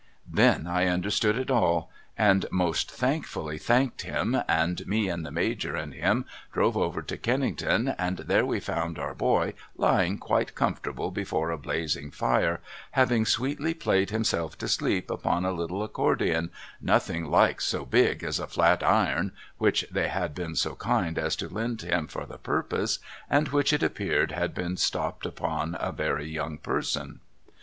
Then I understood JEMMY'S MIND MUST BE CULTIVATED 34:5 it all and most thankfully thanked him, and me and the ISIajor and him drove over to Kennington and there we found our hoy lying quite comfortahle before a blazing fire having sweetly played himself to sleep upon a small accordion nothing like so big as a flat iron which they had been so kind as to lend him for the purpose and which it appeared had been stopped upon a very young person.